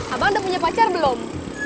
abang udah punya pacar belum